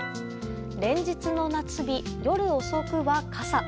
連日の夏日、夜遅くは傘。